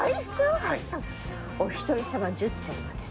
お一人様１０点まで。